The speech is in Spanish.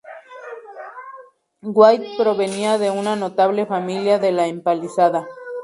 White provenía de una notable familia de la Empalizada.